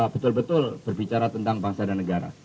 betul betul berbicara tentang bangsa dan negara